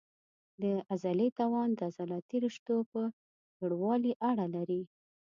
د عضلې توان د عضلاتي رشتو په پېړوالي اړه لري.